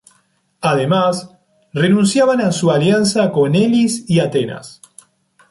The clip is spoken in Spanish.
Además, renunciaban a su alianza con Elis y Atenas.